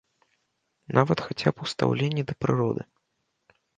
Нават хаця б у стаўленні да прыроды.